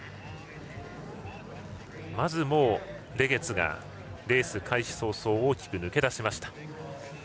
まず、レゲツがレース開始早々大きく抜け出しました。